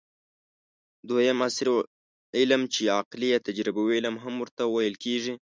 دویم : عصري علم چې عقلي یا تجربوي علم هم ورته ويل کېږي